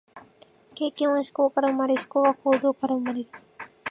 経験は思考から生まれ、思考は行動から生まれる。